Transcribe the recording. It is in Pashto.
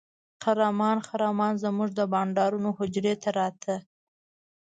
خرامان خرامان زموږ د بانډارونو حجرې ته راته.